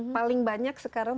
paling banyak sekarang